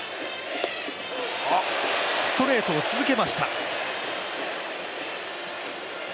ストレートを続けました。